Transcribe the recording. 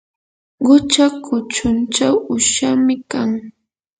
qucha kuchunchaw uqshami kan.